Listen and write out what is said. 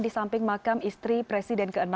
di samping makam istri presiden ke enam